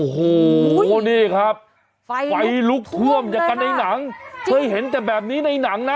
โห้ว่านี่ครับไฟลุกท่วมตะไงเขาก็ในหนังเเห็นแต่แบบนี้ในหนังนะ